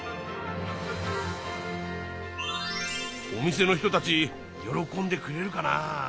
お店の人たち喜んでくれるかな？